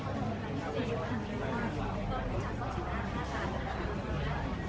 คุณของอาจจะไม่ได้บันไดส่วนอะไรครับ